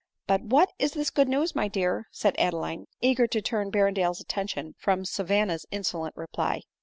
" But what is this good news, my dear? " said Ade line, eager to turn Berrendale's attention from Savanna's insolent reply.